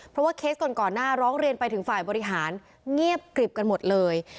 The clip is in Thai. เพราะว่าเคสก่อนหน้าร้องเรียนไปถึงฝ่ายบริหารเงียบกริบกันหมดเลย